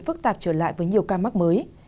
phức tạp trở lại với nhiều ca mắc mới